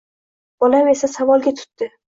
Bolam esa savolga tutdi